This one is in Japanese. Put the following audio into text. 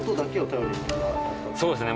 そうですね。